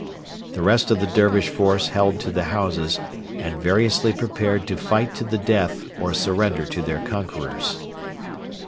The rest of the Dervish force held to the houses, and variously prepared to fight to the death or surrender to their conquerors.